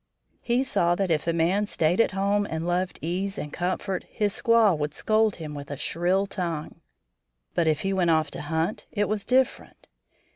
He saw that if a man stayed at home and loved ease and comfort his squaw would scold him with a shrill tongue. But if he went off to hunt, it was different.